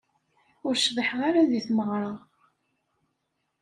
Ur cḍiḥeɣ ara di tmeɣra.